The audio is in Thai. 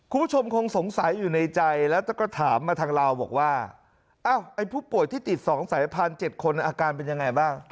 คุณผู้ชมคงสงสัยอยู่ในใจแล้วก็ถามมาทางเราบอกว่าไอ้ผู้ป่วยที่ติด๒สายพันธ๗คนอาการเป็นยังไงบ้าง